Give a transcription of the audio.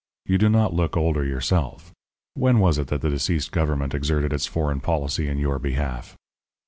You do not look older yourself. When was it that the deceased government exerted its foreign policy in your behalf?"